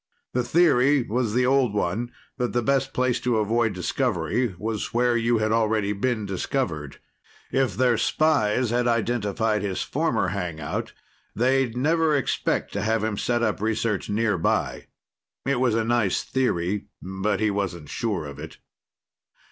The theory was the old one that the best place to avoid discovery was where you had already been discovered. If their spies had identified his former hangout, they'd never expect to have him set up research nearby. It was a nice theory, but he wasn't sure of it.